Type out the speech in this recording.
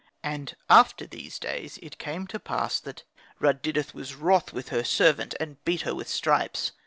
And after these days it came to pass that Rud didet was wroth with her servant, and beat her with stripes.